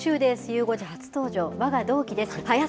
ゆう５時初登場、わが同期です。